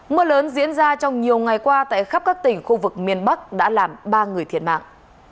mưa lớn diễn ra trong nhiều ngày qua tại khắp các tỉnh khu vực miền bắc đã làm ba người thiệt mạng